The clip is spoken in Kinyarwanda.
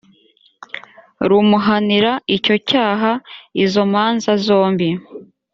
rumuhanira icyo cyaha izo manza zombi